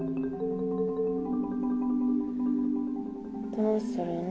どうするの？